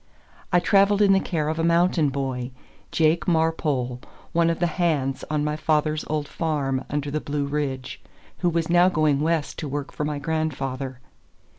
I traveled in the care of a mountain boy, Jake Marpole, one of the "hands" on my father's old farm under the Blue Ridge, who was now going West to work for my grandfather.